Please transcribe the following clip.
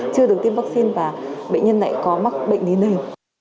chưa được tiêm vaccine và bệnh nhân này có mắc bệnh đến đây